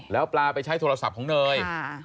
แล้วปลาไปใช้โทรศัพท์ของเนย